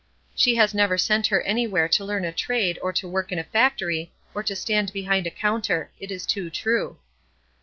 She has never sent her anywhere to learn a trade or to work in a factory or to stand behind a counter. It is too true.